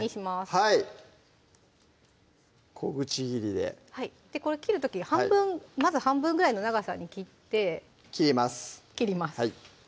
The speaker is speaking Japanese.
はい小口切りでこれ切る時にまず半分ぐらいの長さに切って切ります